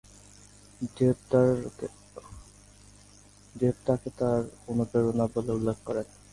Dep তাকে তার অনুপ্রেরণা বলে উল্লেখ করেন।